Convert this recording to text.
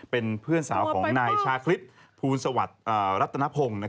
เป็นเพื่อนสาวของนายชาคริสภูลสวัสดิ์รัตนพงศ์